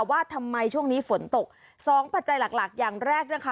ว่าทำไมช่วงนี้ฝนตกสองปัจจัยหลักหลักอย่างแรกนะคะ